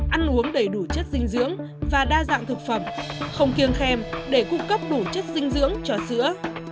ăn uống đầy đủ chất dinh dưỡng và đa dạng thực phẩm không kiêng khèm để cung cấp đủ chất dinh dưỡng cho sữa